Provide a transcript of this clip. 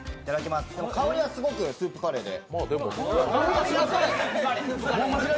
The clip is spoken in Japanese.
香りはすごくスープカレーで。